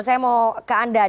saya mau ke anda